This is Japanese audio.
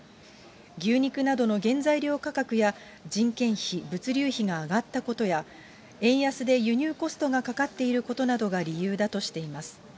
牛肉などの原材料価格や人件費、物流費が上がったことや、円安で輸入コストがかかっていることなどが理由だとしています。